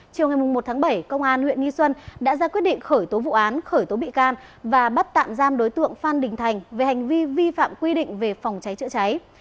chiều ngày một tháng bảy công an huyện nghi xuân đã ra quyết định khởi tố vụ án khởi tố bị can và bắt tạm giam đối tượng phan đình thành về hành vi vi phạm quy định về phòng cháy chữa cháy